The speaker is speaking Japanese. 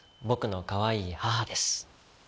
僕のかわいい母です。